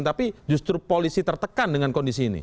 tapi justru polisi tertekan dengan kondisi ini